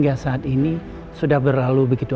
selu canto kita itu bukan untuk west vouks wisconsin